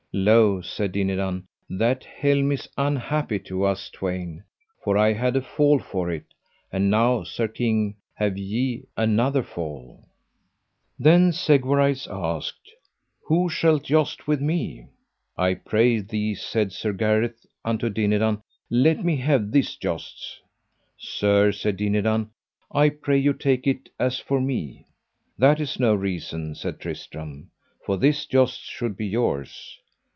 Lo, said Dinadan, that helm is unhappy to us twain, for I had a fall for it, and now, sir king, have ye another fall. Then Segwarides asked: Who shall joust with me? I pray thee, said Sir Gareth unto Dinadan, let me have this jousts. Sir, said Dinadan, I pray you take it as for me. That is no reason, said Tristram, for this jousts should be yours.